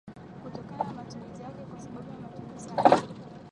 kutokana na matumizi yake kwa sababu ya matumizi haramu